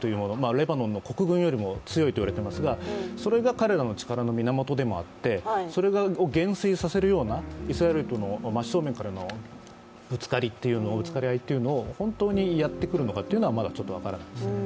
レバノンの国軍よりも強いといわれてますがそれが彼らの力の源であってそれを減衰させるようなイスラエルとの真っ正面からのぶつかり合いというのを本当にやってくるのかっていうのはまだちょっと分からないですね。